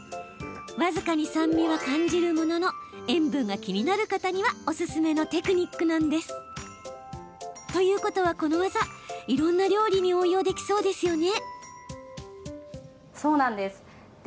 僅かに酸味は感じるものの塩分が気になる方にはおすすめのテクニックなんです。ということはこの技いろんな料理に応用できそうですよね？